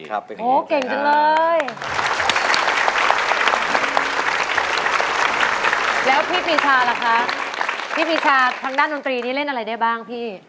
โอ้เก่งจังเลยแล้วพี่พีชาล่ะคะพี่พีชาทางด้านดนตรีนี่เล่นอะไรได้บ้างพี่